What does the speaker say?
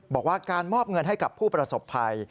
บอกว่าการมอบเงินให้กับผู้ประสบภัย